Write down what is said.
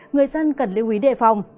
người dân cần lưu ý đề phòng